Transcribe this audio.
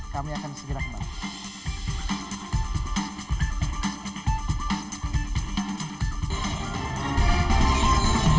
kami akan segera kembali